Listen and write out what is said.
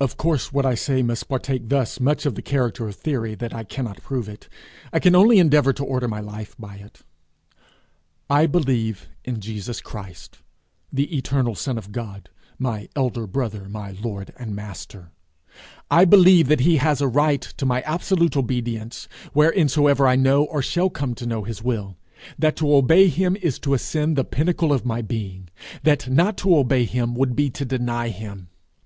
Of course what I say must partake thus much of the character of theory that I cannot prove it; I can only endeavour to order my life by it. I believe in Jesus Christ, the eternal Son of God, my elder brother, my lord and master; I believe that he has a right to my absolute obedience whereinsoever I know or shall come to know his will; that to obey him is to ascend the pinnacle of my being; that not to obey him would be to deny him.